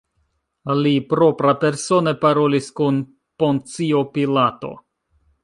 Li proprapersone parolis kun Poncio Pilato.